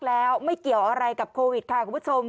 แล้วไม่เกี่ยวอะไรกับโควิดค่ะคุณผู้ชม